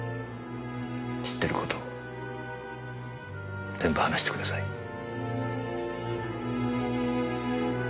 知ってる事全部話してください。